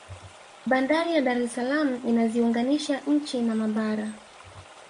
bandari ya dar es salaam inaziunganisha nchi na mabara